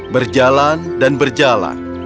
berjalan dan berjalan